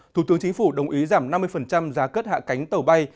thủ tướng chính phủ đồng ý giảm năm mươi giá cất hạ cánh tàu bay